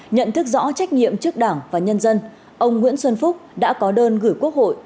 nhận thức rõ trách nhiệm trước đảng và nhân dân ông nguyễn xuân phúc đã có đơn gửi quốc hội